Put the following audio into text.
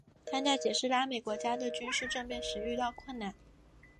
但在解释拉美国家的军事政变时遇到困难。